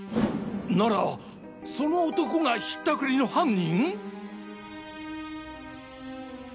ならその男が引ったくりの犯人！？